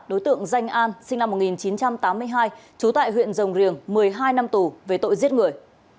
đối tượng danh an sinh năm một nghìn chín trăm tám mươi hai trú tại huyện rồng riềng một mươi hai năm tù về tội giết người